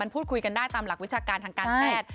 พูดคุยกันได้ตามหลักวิชาการทางการแพทย์